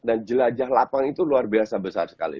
dan jelajah lapang itu luar biasa besar sekali